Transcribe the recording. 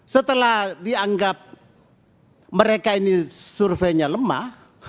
setelah dianggap mereka ini surveinya lemah